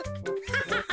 ハハハ！